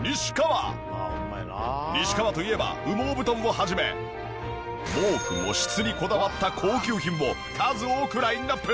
西川といえば羽毛布団を始め毛布も質にこだわった高級品を数多くラインアップ。